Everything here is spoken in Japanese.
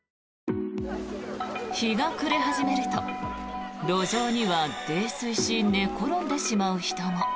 日が暮れ始めると、路上には泥酔し、寝転んでしまう人も。